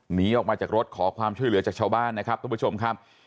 หนีออกมาจากรถขอความช่วยเหลือจากชาวบ้านนะครับทุกผู้ชมครับ